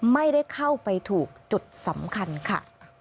ไม่ได้เข้าไปถูกจุดสำคัญค่ะ